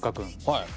はい。